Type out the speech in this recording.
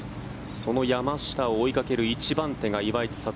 その山下を追いかける１番手が岩井千怜。